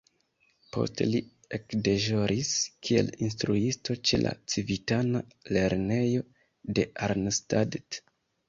Poste li ekdeĵoris kiel instruisto ĉe la civitana lernejo de Arnstadt.